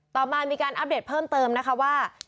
ต่อมามีการอัปเดตเพิ่มเติมนะคะว่า